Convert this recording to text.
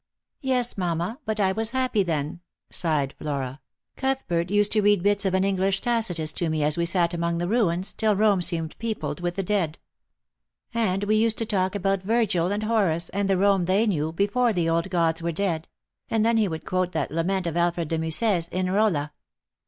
Yes, mamma, but I was happy then," sighed Flora. " Cuth tiert used to read bits of an English Tacitus to me as we sat among the ruins, till Rome seemed peopled with the dead. And we used to talk about Virgil and Horace, and the Rome they knew, before the old gods were dead ; and then he would quote that lament of Alfred de Musset's, in Bolla.